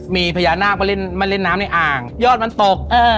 มีพญานาคมาเล่นมาเล่นน้ำในอ่างยอดมันตก